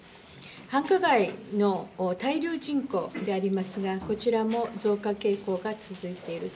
繁華街の滞留人口でありますが、こちらも増加傾向が続いています。